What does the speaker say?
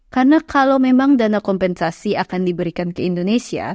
karena kalau memang dana kompensasi akan diberikan ke indonesia